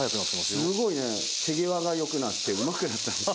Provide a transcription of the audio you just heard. すごいね手際がよくなってうまくなったんですね。